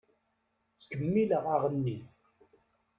Ttkemmileɣ aɣenni.